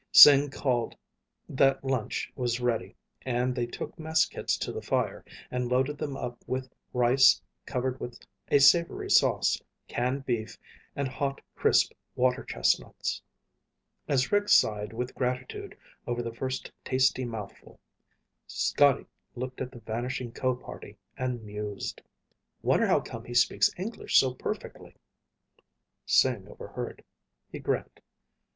Sing called that lunch was ready and they took mess kits to the fire and loaded them up with rice covered with a savory sauce, canned beef, and hot, crisp water chestnuts. As Rick sighed with gratitude over the first tasty mouthful, Scotty looked at the vanishing Ko party and mused, "Wonder how come he speaks English so perfectly?" Sing overheard. He grinned.